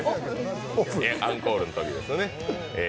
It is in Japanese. アンコールのときですよね。